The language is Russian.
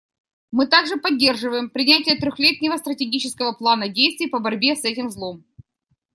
Мы также поддерживаем принятие трехлетнего стратегического плана действий по борьбе с этим злом.